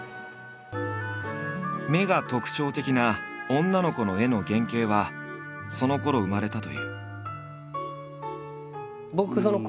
目が特徴的な女の子の絵の原型はそのころ生まれたという。